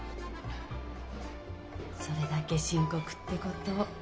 それだけ深刻ってこと。